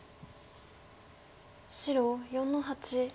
白４の八。